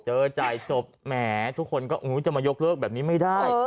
จ่ายจบแหมทุกคนก็จะมายกเลิกแบบนี้ไม่ได้